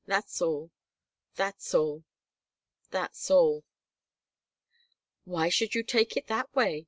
That's all. That's all. That's all." "Why should you take it that way?"